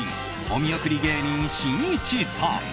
お見送り芸人しんいちさん。